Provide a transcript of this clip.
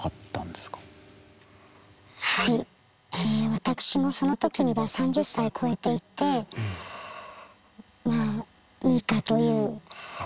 私もその時には３０歳超えていてまあいいかという。